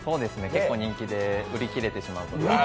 結構人気で売り切れてしまう。